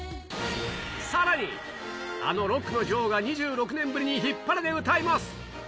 さらに、あのロックの女王が２６年ぶりにヒッパレで歌います。